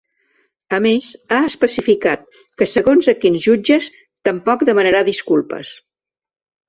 A més, ha especificat que segons a quins jutges tampoc demanarà disculpes.